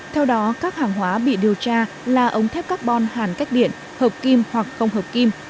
theo đó các hàng hóa bị điều tra là ống thép carbon hàn cách điện hợp kim hoặc không hợp kim